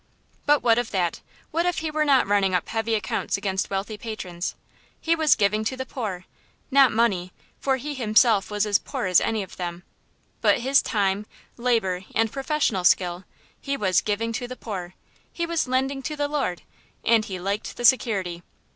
But what of that? What if he were not running up heavy accounts against wealthy patrons? He was "giving to the poor," not money, for he himself was as poor as any of them; but his time, labor, and professional skill; he was "giving to the poor;" he was "lending to the Lord," and he "liked the security."